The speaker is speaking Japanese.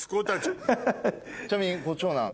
ちなみにご長男。